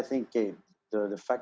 yang paling terpaksa